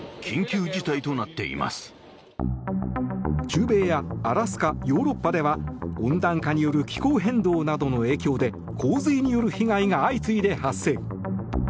中米やアラスカ、ヨーロッパでは温暖化による気候変動などの影響で洪水による被害が相次いで発生。